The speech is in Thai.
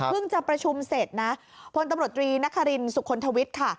จะประชุมเสร็จนะพลตำรวจตรีนครินสุขลทวิทย์ค่ะ